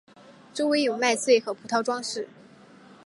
周围有麦穗和葡萄装饰。